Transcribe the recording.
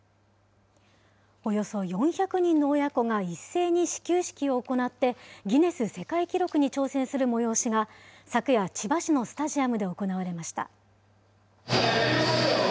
およそ４００人の親子が一斉に始球式を行って、ギネス世界記録に挑戦する催しが昨夜、千葉市のスタジアムで行われました。